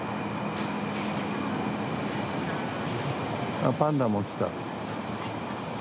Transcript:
あパンダも来た。